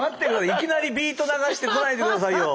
いきなりビート流してこないで下さいよ。